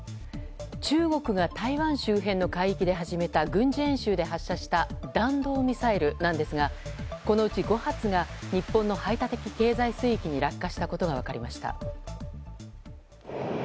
中国が台湾周辺の海域で始めた軍事演習で発射した弾道ミサイルなんですがこのうち５発が日本の排他的経済水域に落下したことが分かりました。